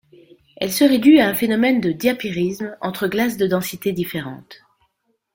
Elles seraient dues à un phénomène de diapirisme entre glaces de densité différente.